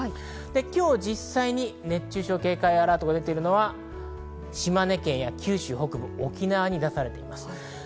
今日、実際に熱中症警戒アラートが出ているのは島根県や九州北部、沖縄に出されています。